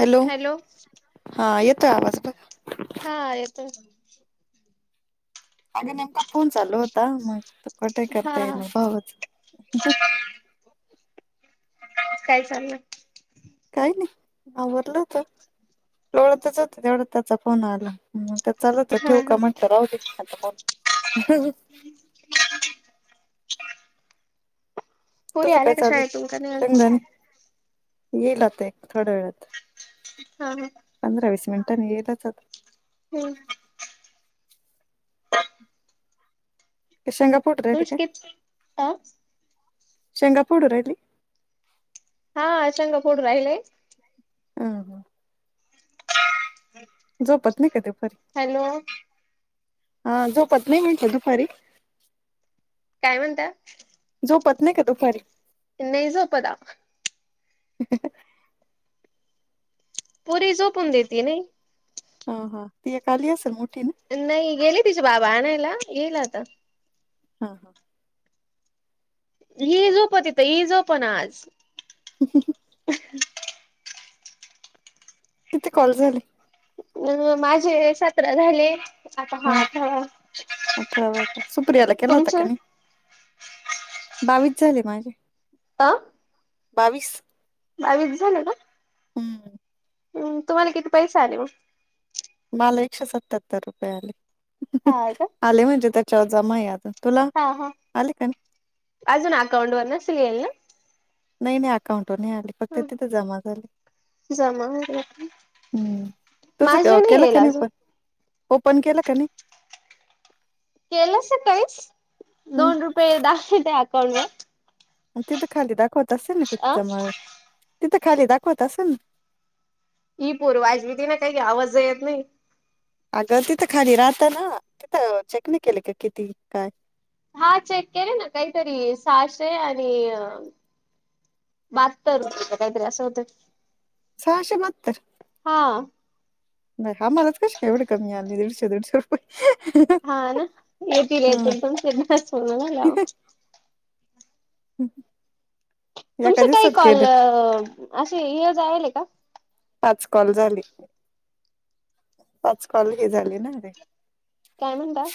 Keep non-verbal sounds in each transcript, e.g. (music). Hello हा येतोय आवाज हा येतो अगे नेमका फोन चालू होता मग त कठही हा करता ये ना भावच हा काय चाललं काही नाही नावररलं होत ोळतच होत तेवढं त्याचा फोन आला हम तर चालत हा ठेव का हा म्हटलं राहते तुझ पोरी काय आल्या का चालेल शाळेतून का नाही शंगदाण येईलता थोड्या वेळात ह ह पंधरा वीस मिनिटांनी येईलच आता हम् शेंगापूडरल तुमची का किती अ शेंगापूडूरयली हा अशंंग फोड राहिलय ह हा झोपत नाही का दुपारी हॅलो हा झोपत नाही म्हणत दुपारी काय म्हणता झोपतन नाही का दुपारी नाही झोपत द ह पुरी झोपून देते नाही हा हा ती या काली असेल मोठी ना नाही गेली तिच्या बाबा आणायला येईल आता हा हा ह झोप तिथं ही झोपण आज तिथे कॉल झाले अ माझे सतरा झाले आता हा हम अठरा आत ब सुप्रिला केला तुमचे तकनी बावीस झाले माझे का बावीस आच झा ना का हम्म हम तुम्हाला किती पैसे आले मला एकशे सत्त्याहत्तर रुपये आले हा का आले म्हणजे त्याच्यावर जमा अजून तुला हा हा आले का नाही अजून अकाउंट वर नच लिईल ना नाही नाही अकाउंटवर नाही आली फक्त ना तिथे जमा झाले जमा हम् तस माझे नाही केला येईल खनी अजून पण ओपन केला का नाही केलस काळीस हम्म दोन रुपये दाख त्या अकाउंटवर तिथं खाली दाखवत असेल ना अ कितीच्यामाळ तिथं खाली दाखवत असेल ना ई पूर्व अजबती ना काही आवाज येत नाही अगं तिथं खाली राहत ना तिथं चेक नाही केले का किती काय हा चेक केले ना काहीतरी सहाशे आणि बात तर काहीतरी असं होतं सहाशे बतर हा नाही आम्हालाच कश का एवढे कमी आली दीडशे दीडशे रुपये हा ना येतील हा. येतील पण सि हम् तुमचे काही कॉल असे इज आहेल का पाच कॉल झाली पाच कॉल ह झाली ना अे काय म्हता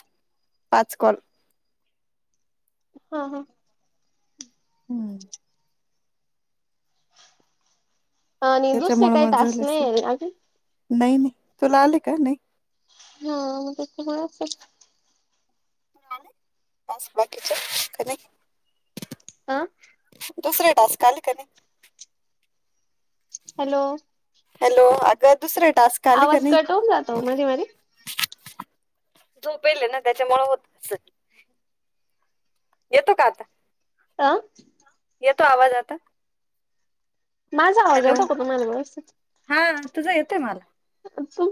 पाचको हा हा हम्म आणि दुसरे त्याच्यामुळे काही मग तास झाले असेल नाही अगदी नाही नाही तुला आले का नाही हा मज तुम्हाला असं बाकी च अह दुसरे टास्क आल कने हॅलो हॅलो अग दुसरे टास्क आले का आवाज नाही कटवून जातो मध्येे मध्ये झोपेल ना त्याच्यामु होत अस येतो काात. अ. या तो आवाज आता. माझा आवाजा हॅलो बक तुम्हाला बस. हा तुझं येतंय मला.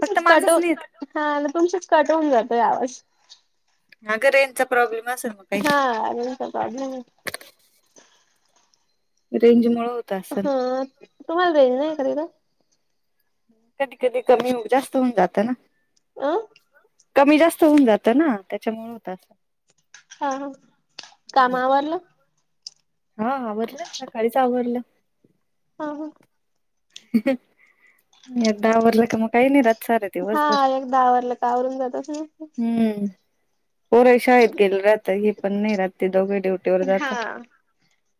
फक्त माझंच कटव नाही येत हा तुमचीच कटवून जातो यावाज. अगं रेनचा प्रॉब्लेम असे ना. हा अंत प्रॉब्लेम. रेंज मु होत असल. हा तुम्हाला भेज नाही कारी का. कधी कधी कमी होऊ जास्त होऊन जातं ना. अं. कमी जास्त होऊन जातं ना त्याच्यामुळे होत अस. हा कामावरला हा आवडलं सकाळीच आवरडलं. ह ह. दहा वरला का मग काही नाही राह. हा एकदा आवरलं का आवरून जात. हम्म पोर्या शाळेत गेलं राहत हे पण नाही राहातते दोघे डट. हा.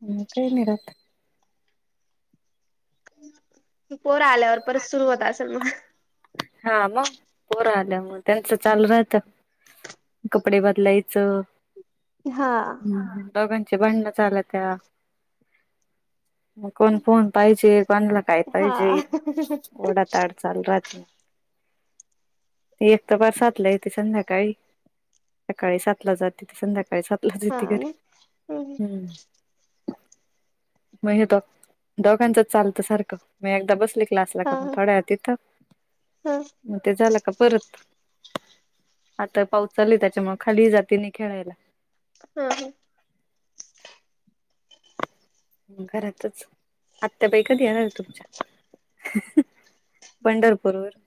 म काहीनरत. तू पोर आल्यावर परत सुरू होता असेल मग. हा मग पोरं आल्या मग त्यांचं चालू राहतं. कपडे बदलायचं. हा. ह दोघांचे बांण झालं त्या. कोण फोन पाहिजे कोणाला काय हा पाहिजे ओडाात आड चालू राहतील. एक तर फार सातला यथे संध्याकाळी सकाळी सातला जातथे संध्याकाळी सात. हा जती कररी ना हम्म. मग हे द दोघांचच चालतं सारखं म एकदा बसले. क्लास ला हा करून थोड्या तथ. हा. मग ते झालं का परत. आता पाऊस चाल त्याच्यामुळे खाली जाती नाही खेळायला. हा ह. घरातच आत्याबाई कधी येणार तुमच्या. पंढरपूर वर.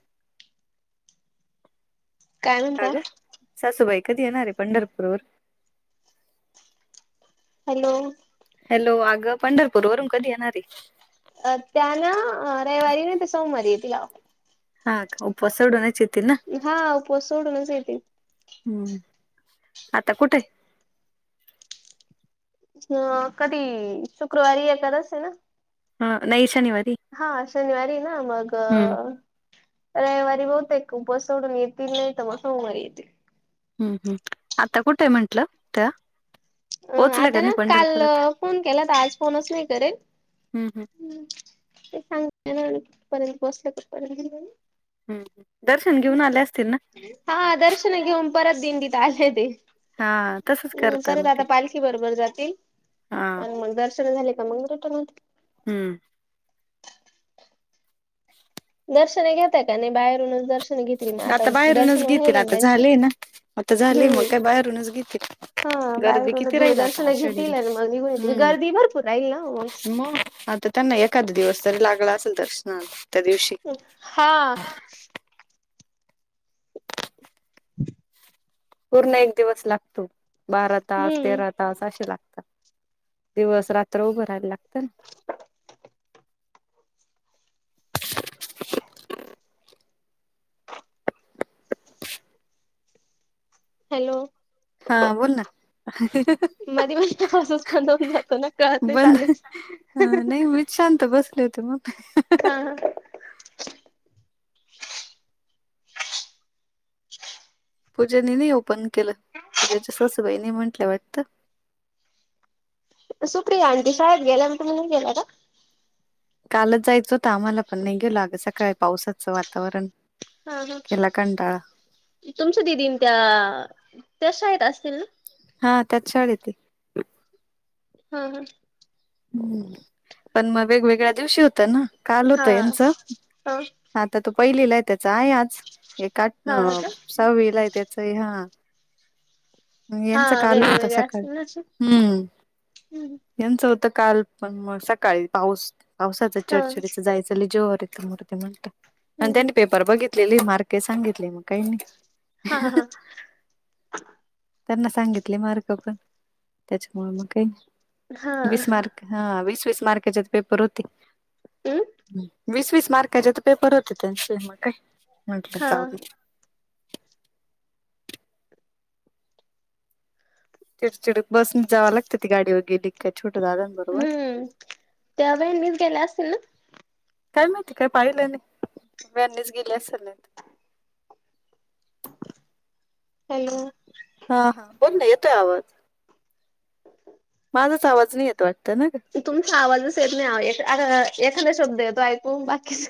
काय का म्हणता. ग सासूबाई कधी येणार आहे पंढरपूर वर. हॅलो. हॅलो अगं पंढरपूर वरून कधी येणारी. अ त्यान रविवारीने ते सोमवारी येेतला. हा उपसडून चित हा उपवास सोडूनच येेते. ह् आता कुठे. ह कधी शुक्रवारी ए कदाच आहे ना. ह नै श निवती. हा शनिवारी ना मग. हम्म रवीवारी बहुतेक उपवास सोडून येतील नाहीतर सोमवारी येतील हम् हम् आता कुठे आहे म्हंटलं त्या अं पोहोचल्या आता का ना नाही काल पंढरपुरात फोन केला तर आज फोनच नाही करेल हम्म हम्म हम ते सा (unintelligible) ह् दर्शन घेऊन आले असतील ना हा दर्शन घेऊन परत दिंडीत आले ते हा तसंच हम्म करता परत मग आता ते पालखी बरोबर जातील हा आणि मग दर्शन झाले का मग रिटर्न ये हम्म. दर्शन घेताय का नाही बाहेरूनच दर्शन घेतील मग आता बाहेरूनच दर्शन घेतील व्हायले ना आता त्यांचे झाले ना आता झाले मग हम्म का बाहेरूनच घेतील हा गर्दी बाहेरून किती राहिल आता दूरदर्शन घेतील आषाढीला आणि मग निघून येतील गर्दी भरपूर राहील ना मग. हम्म मग आता त्यां ना एखादा दिवस तरी लागला असेल दर्शन त्या दिवशी हा पूर्ण एक दिवस लागतो बारा तास हम्म तेरा तास तास असे लागतात दिवस रात्र उभं राहायला लागतं ना हॅलो हा बोल ना मध्ये मध्ये आवाजच बंद होऊन जातो ना कळतच नाही चालू आहे का हा नाही मी शांत बसले होते बोल हा पूजेनी नाही ओपन केलं तीच्या सासूबाई नाही म्हंटल्या वाटतं सुप्रिया आंटी शाळेत गेल्या मग तुम्ही नाही गेल्या का कालच जायचं होत आम्हाला पण नाही गेलो अगं सकाळी पावसाचं वातावरण हा हा केला कंटाळा तुमच दिदीन त्या त्या शाळेत असतील ना हा त्याच शाळेत ये हा ह हम्म पण मग वेगवेगळ्या दिवशी होत ना काल हा होत यांचं हा हा आता तो पहिलीला आहे त्याचा आहे आज एक हा हा का सहा्वीला आहे त्याच आहे हा यांचा हा काल वेगळे होता वेगळे सकाळ असतील ना असे हम्म यांच होत काल पण मग सकाळी पाऊस पावसाच हा चडचढीच जायचं लय जीवावर येतं म- दे म्हणल आणि हम्म त्यांनी पेपर बघितलेलि मार्के सांगितली मग काहीनी हा हा त्यांना सांगितले मार्क पण त्याच्यामुळे मग काही हा नाही वीस मार्क हा वीस वीस मार्काचे पेपर होते हम्म वीस वीस मार्क त्याच्यात पेपर होते त्यांचे मग काय म्हट हा चिडचिडक बसन जाव लागत ती गाडी वरन गेले काय छोटं गाव हम्म त्या व्हॅनि गेल्या असतील ना काय माहिती काय पाहिलं नाही व्हेननी च गेले असल अन हॅलो हा हा बोल ना येतोय आवाज माझाच आवाज नाही येत वाटत ना ग तुमचा आवाजच येत नाही एखादा शब्द येतो ऐकू बाकीच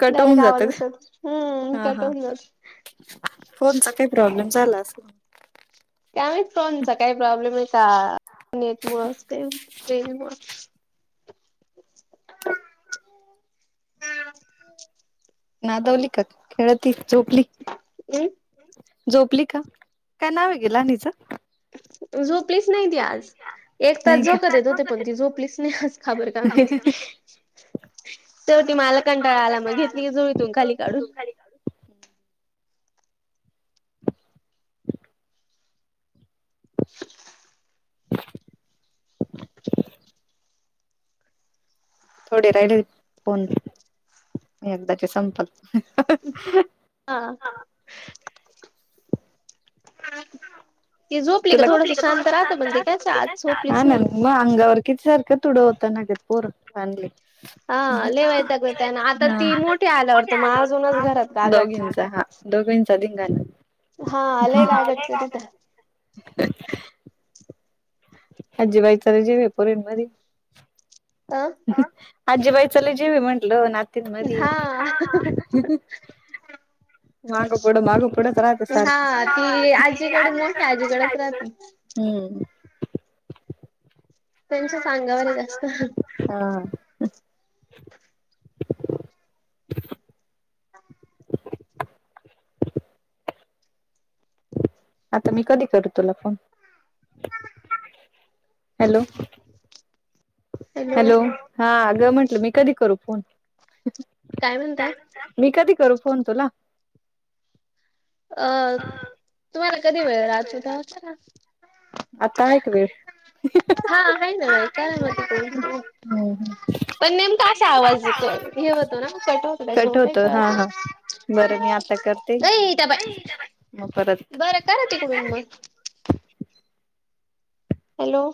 कट होऊन आवाज जातं ग असत हम्म हा हा. कटवून जातो फोनचा काही प्रॉब्लेम झाला अस काय माहित फोनचा काय प्रॉब्लेम आहे का नेट मुळे अस रेंजमुळे मुळं नादवली का खेळती झोपली (unintelligible) झोपली का काय नाव आहे ग लहानीच. झोप प्लीस नाही ती आज एक नाही तास का? झोका देत होते पण ती झोपलीस नाही आज काबर काय माहिती शेवटी मला कंटाळा आला मग घेतली जोळीतून खाली काढून. थोडे राहिले फोन मी एकदाचे संपल. हा. ती झोपली का तुलाक झोपलीकी थोडस राहतं शांत पण ती काय राहती आज झोपलीच हा ना नाही मग अंगावर किती सारखं तुडं होत ना ग पोर (unintelligible) ली लय हा (unintelligible) वैताग येतोय आणि हा ती आता मोठी त आल्यावर मोठे तर मग अजूनच घरात आल्यावर (unintelligible) गागट दोघींचा हा. दोघींचा धिंगाणा हा आलंय काय गडकरीत (unintelligible) आजीबाईंचा लय जीव आहे पोरींमध्ये. आ - आजीबाईचा लई जीव ये म्हटलं नातीं मधी. हा हा. मागं पुड मागं पुडच राहत हा सारख. ती हा आजीकडे मोठी आजीकडेच राहती (unintelligible) हम्म. त्यांच्या च अंगावरय जास्त. हा. आता मी कधी करू तुला फोन हॅलो. हॅलो हा अगं म्हंटलं मी कधी करू फोन. काय म्हणता? मी कधी करू फोन तुला. अ तुम्हाला कधी वेळ रात होत होत ना आता आहे का वेळ. हा आहे ना वेळ करा मग तिकडून तुम्ही. (unintelligible) पण नेमका असा आवाज हे होतो ना कट होतो कट त्याच्यामुळे काही होतो हा कळत नाही. हा बरं मी आता करते अय त्या बाय मग परत. बरं करा तिकडून मग हॅलो.